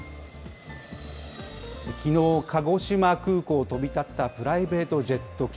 きのう、鹿児島空港を飛び立ったプライベートジェット機。